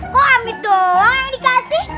bos kok amit doang yang dikasih